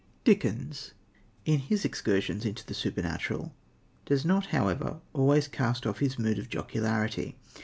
Dickens, in his excursions into the supernatural, does not, however, always cast off his mood of jocularity.